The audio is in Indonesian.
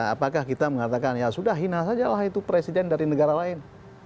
apakah kita mengatakan ya sudah hina sajalah itu presiden dari negara lain